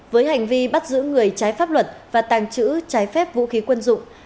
với hành vi bắt giữ người trái pháp luật và tàng trữ trái phép vũ khí quân dụng